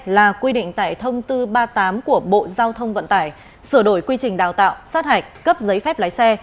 là quy định tại thông tư ba mươi tám của bộ giao thông vận tải sửa đổi quy trình đào tạo sát hạch cấp giấy phép lái xe